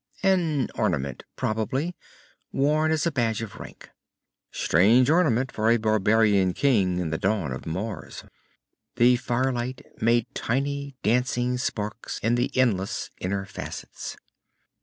An ornament, probably, worn as a badge of rank. Strange ornament for a barbarian king, in the dawn of Mars. The firelight made tiny dancing sparks in the endless inner facets.